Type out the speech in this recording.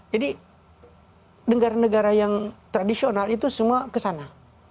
jadi negara negara yang tradisional itu semua kesana